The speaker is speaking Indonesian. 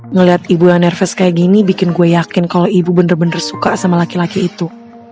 ngeliat ibu yang nervous kayak gini bikin gue yakin kalo ibu bener bener suka sama laki laki itu